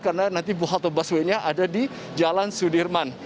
karena nanti buhal atau busway nya ada di jalan sudirman